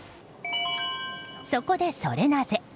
そこで、ソレなぜ？